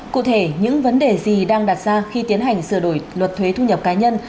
cụ thể những vấn đề gì đang đặt ra khi tiến hành sửa đổi luật thuế thu nhập cá nhân